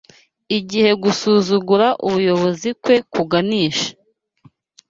igihe gusuzugura ubuyobozi kwe kuganisha